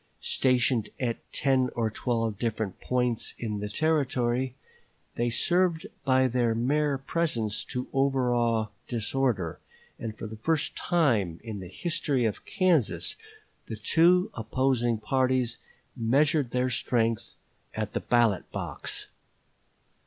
Stationed at ten or twelve different points in the Territory, they served by their mere presence to overawe disorder, and for the first time in the history of Kansas the two opposing parties measured their strength at the ballot box.